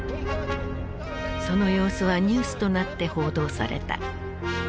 その様子はニュースとなって報道された。